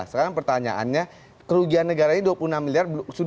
sekarang pertanyaannya kerugian negara ini dua puluh enam miliar